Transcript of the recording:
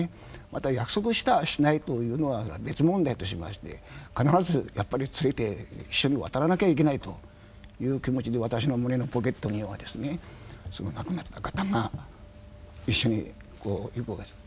また約束したしないというのは別問題としまして必ずやっぱり連れて一緒に渡らなきゃいけないという気持ちで私の胸のポケットにはですねその亡くなった方が一緒にこう行くわけです。